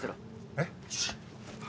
えっ？